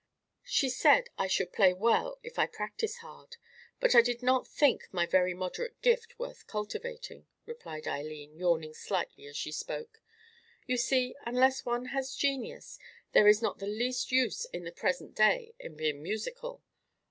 "She said I should play well if I practiced hard; but I did not think my very moderate gift worth cultivating," replied Eileen, yawning slightly as she spoke. "You see, unless one has genius, there is not the least use in the present day in being musical.